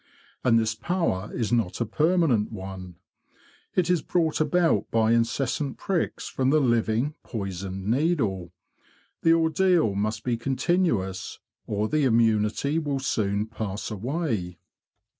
And this power is not a permanent one. It is brought about by incessant pricks from the living poisoned needle; the ordeal must be continuous, or the immunity will soon pass away.